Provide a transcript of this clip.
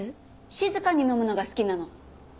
静かに飲むのが好きなの。